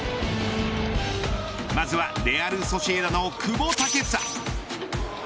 まずはレアルソシエダの久保建英。